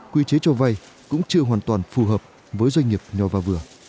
quy chế cho vai cũng chưa hoàn toàn phù hợp với doanh nghiệp nhỏ vào vừa